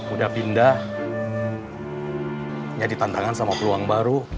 udah pindah jadi tantangan sama peluang baru